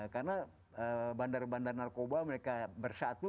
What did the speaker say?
karena bandar bandar narkoba mereka bersatu